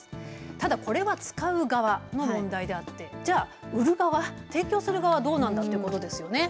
ただこれは使う側の問題であってじゃあ売る側、提供する側はどうなんだということですよね。